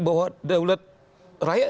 bahwa daulat rakyat